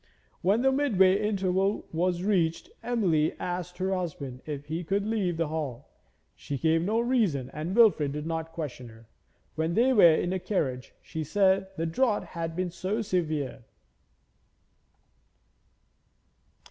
When the mid way interval was reached Emily asked her husband if he would leave the hall. She gave no reason and Wilfrid did not question her. When they were in the carriage she said the draught had been too severe.